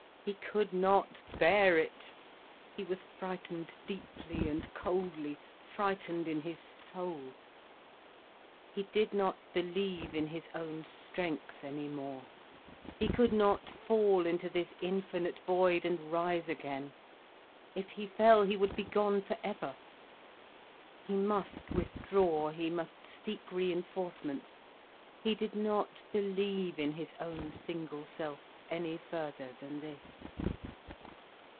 He could not bear it. He was frightened deeply, and coldly, frightened in his soul. He did not believe in his own strength any more. He could not fall into this infinite void, and rise again. If he fell, he would be gone for ever. He must withdraw, he must seek reinforcements. He did not believe in his own single self, any further than this.